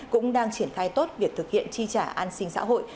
cũng đang triển khai tốt việc thực hiện chi trả an sinh xã hội